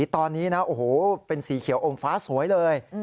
ตอนนี้นะโอ้โหเป็นสีเขียวอมฟ้าสวยเลย